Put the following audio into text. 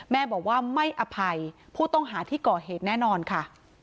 แม่บอกว่าไม่อภัยผู้ต้องหาที่ก่อเหตุแน่นอนค่ะ